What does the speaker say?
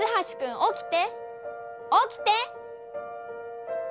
起きて！